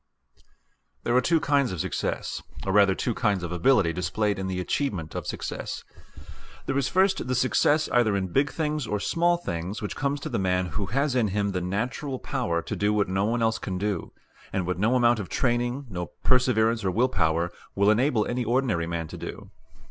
There are two kinds of success, or rather two kinds of ability displayed in the achievement of success. There is, first, the success either in big things or small things which comes to the man who has in him the natural power to do what no one else can do, and what no amount of training, no perseverance or will power, will enable any ordinary man to do.